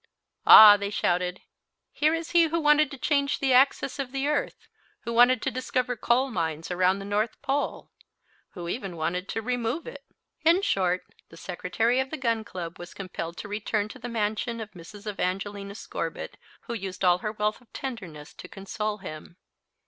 "Ah," they shouted, "here he is who wanted to change the axis of the earth, who wanted to discover coal mines around the North Pole, who even wanted to remove it." In short, the Secretary of the Gun Club was compelled to return to the mansion of Mrs. Evangelina Scorbitt, who used all her wealth of tenderness to console him.